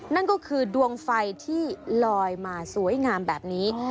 นั่นก็คือดวงไฟที่ลอยมาสวยงามแบบนี้